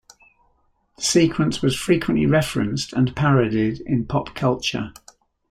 The sequence was frequently referenced and parodied in pop culture.